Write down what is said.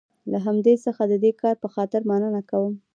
له هغه څخه د دې کار په خاطر مننه کوم.